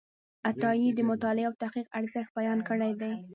عطایي د مطالعې او تحقیق ارزښت بیان کړی دی.